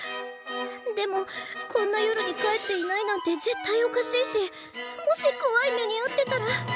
でもこんな夜に帰っていないなんて絶対おかしいしもしこわい目にあってたら。